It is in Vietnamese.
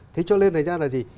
thế cho nên thời gian là gì